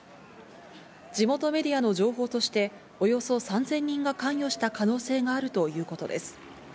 地元メディアの情報としておよそ３０００人が関与した可能性があるということです。